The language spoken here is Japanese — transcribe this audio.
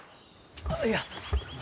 あっいや。